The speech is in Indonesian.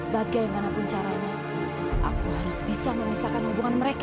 bagaimanapun caranya aku harus bisa memisahkan hubungan mereka